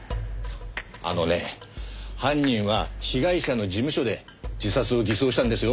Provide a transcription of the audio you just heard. あのね犯人は被害者の事務所で自殺を偽装したんですよ。